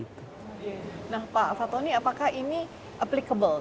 nah pak fatoni apakah ini applicable